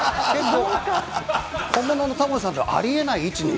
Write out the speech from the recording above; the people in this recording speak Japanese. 本物のタモリさんではありえない位置に。